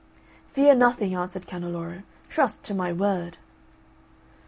"Fear nothing," answered Canneloro, "trust to my word."